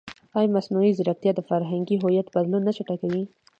ایا مصنوعي ځیرکتیا د فرهنګي هویت بدلون نه چټکوي؟